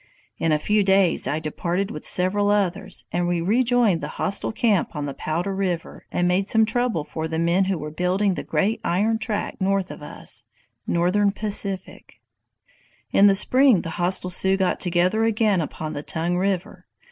In a few days I departed with several others, and we rejoined the hostile camp on the Powder River and made some trouble for the men who were building the great iron track north of us [Northern Pacific]. "In the spring the hostile Sioux got together again upon the Tongue River.